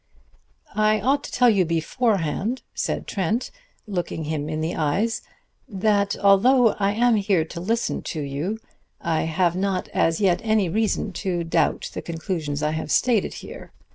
"I ought to tell you beforehand," said Trent, looking him in the eyes, "that although I am here to listen to you, I have not as yet any reason to doubt the conclusions I have stated here."